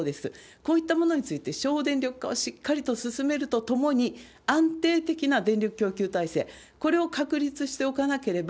こういったものについて省電力化をしっかりと進めるとともに、安定的な電力供給体制、これを確立しておかなければ、